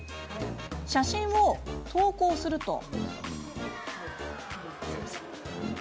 写真を投稿すると。